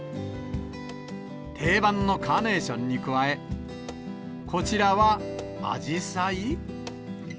定番のカーネーションに加え、こちらはあじさい？